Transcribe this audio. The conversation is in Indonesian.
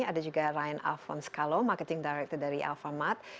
ada juga ryan alphonse kallo marketing director dari alphamart